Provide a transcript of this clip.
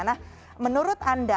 nah menurut anda